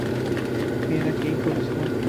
মেয়েরা কী করছো?